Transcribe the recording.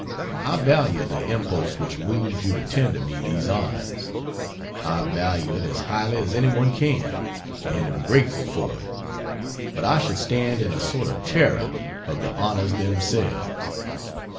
I value the impulse which moves you to tender me these honors. I value it as highly as any one can, and am grateful for it, but I should stand in a sort of terror of the honors themselves.